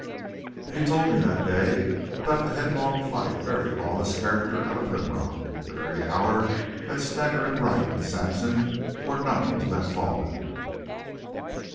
He told me that day about the headlong flight of every lawless character out of Linrock, the very hour that Snecker and Wright and Sampson were known to have fallen.